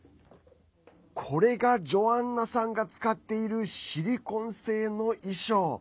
これがジョアンナさんが使っている、シリコン製の衣装。